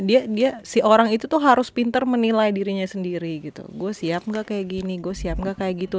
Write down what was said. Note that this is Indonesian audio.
dia si orang itu tuh harus pinter menilai dirinya sendiri gitu gue siap gak kayak gini gue siap gak kayak gitu